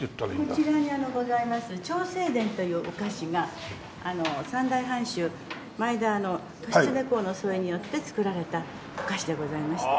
こちらにございます長生殿というお菓子が三代藩主前田利常公の創意によって作られたお菓子でございまして。